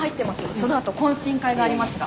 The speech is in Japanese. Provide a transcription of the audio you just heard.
そのあと懇親会がありますが。